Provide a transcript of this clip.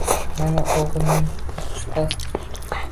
Mana o‘g‘lining o‘qishi past.